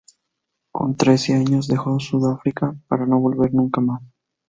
Con trece años deja Sudáfrica, para no volver nunca más.